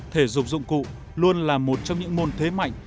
thể dục dụng cụ luôn là một trong những môn thế mạnh